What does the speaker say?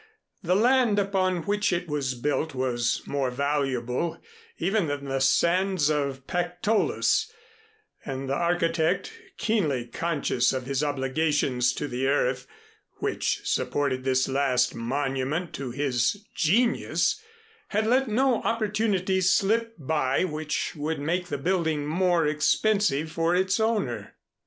The land upon which it was built was more valuable even than the sands of Pactolus; and the architect, keenly conscious of his obligations to the earth which supported this last monument to his genius, had let no opportunity slip by which would make the building more expensive for its owner.